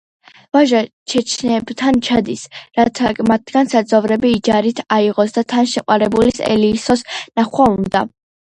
ვაჟა ჩეჩნებთან ჩადის, რათა მათგან საძოვრები იჯარით აიღოს და თან შეყვარებულის, ელისოს ნახვა უნდა.